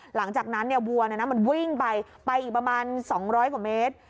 หลังจากนั้นวัวมันวิ่งไปไปอีกประมาณ๒๐๐กว่าเมตร